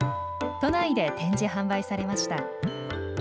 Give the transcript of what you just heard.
都内で展示、販売されました。